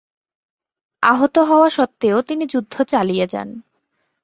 আহত হওয়া সত্ত্বেও তিনি যুদ্ধ চালিয়ে যান।